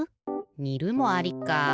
にるもありか。